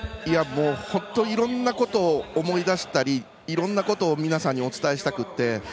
本当、いろんなことを思い出したりいろんなことを皆さんにお伝えしたくて。